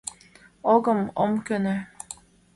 Огым, ом кӧнӧ!..